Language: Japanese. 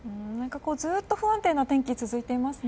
ずっと不安定な天気が続いていますね。